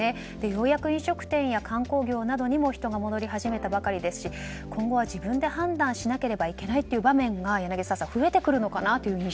ようやく飲食店や観光業などにも人が戻り始めたばかりですし今後は自分で判断しなければいけない場面が柳澤さん増えてくるのかな